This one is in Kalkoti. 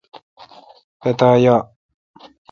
پتا یا۔